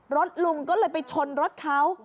ลุงก็เลยไปชนรถเขา